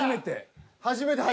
初めて？